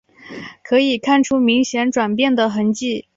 可以看出明显转变的痕迹